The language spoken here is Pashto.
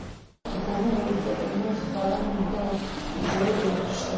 د پوهنې او روغتیا تر منځ خورا نږدې او ژورې اړیکې شته.